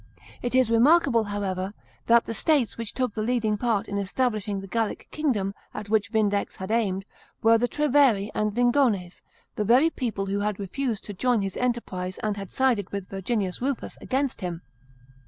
It is remarkable, however, that the states which took the leading part in establishing the Gallic kingdom, at which Vindex had aimed, were the Treveri and Lingones, the very people who had refused to join his enterprise, and had sided with Verginius Rufus against him.